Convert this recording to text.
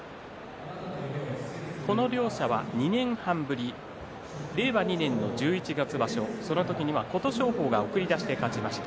この両者は２年半ぶり令和２年の十一月場所その時には琴勝峰が送り出しで勝ちました。